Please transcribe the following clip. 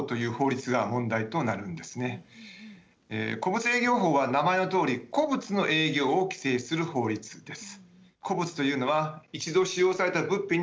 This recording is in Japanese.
古物営業法は名前のとおり古物の営業を規制する法律です。